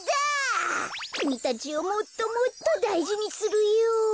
きみたちをもっともっとだいじにするよ。